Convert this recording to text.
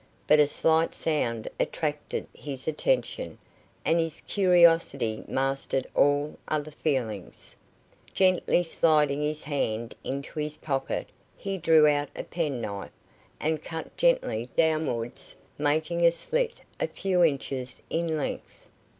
But a slight sound attracted his attention, and his curiosity mastered all other feelings. Gently sliding his hand into his pocket, he drew out a penknife, and cut gently downwards, making a slit a few inches in length.